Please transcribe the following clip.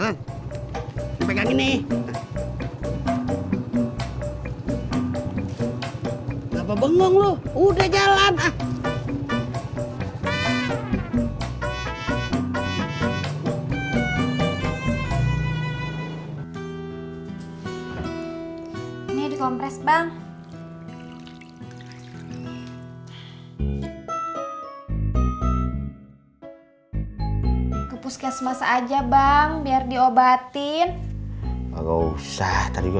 sampai jumpa di video selanjutnya